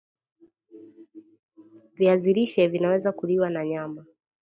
viazi lishe Vinaweza kuliwa na nyama